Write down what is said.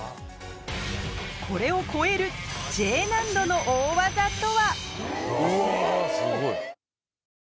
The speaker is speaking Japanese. これを超えるＪ難度の大技とは？